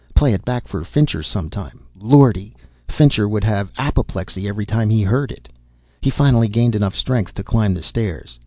Play it back for Fincher some time Lordy, Fincher would have apoplexy every time he heard it! He finally gained enough strength to climb the stairs.